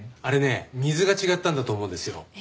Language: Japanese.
あれね水が違ったんだと思うんですよ。